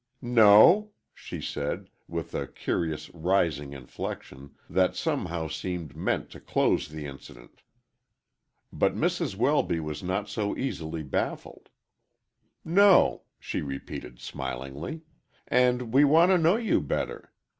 "No?" she said, with a curious rising inflection, that somehow seemed meant to close the incident. But Mrs. Welby was not so easily baffled. "No," she repeated, smilingly. "And we want to know you better.